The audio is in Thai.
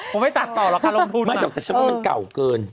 ผมไม่ตัดต่อราคาลงทุนไง